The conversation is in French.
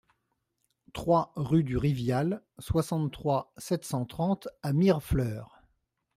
trois rue du Rivial, soixante-trois, sept cent trente à Mirefleurs